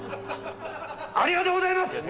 ありがとうございます！